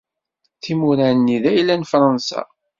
Timura-nni d ayla n Fransa.